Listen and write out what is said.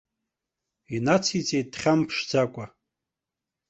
Инациҵеит дхьамԥшӡакәа.